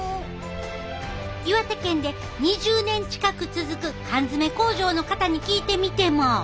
岩手県で２０年近く続く缶詰工場の方に聞いてみても。